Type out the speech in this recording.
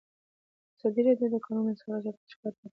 ازادي راډیو د د کانونو استخراج اړوند شکایتونه راپور کړي.